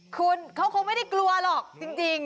คุณเขาคงไม่ได้กลัวหรอกจริง